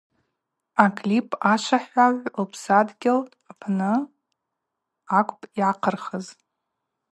Аклип ашвахӏвагӏв лпсадгьыл Апсны апны акӏвпӏ йъахъырхыз.